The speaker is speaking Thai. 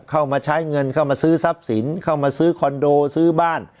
เข้ามาใช้เงินเข้ามาซื้อทรัพย์สินเข้ามาซื้อคอนโดซื้อบ้าน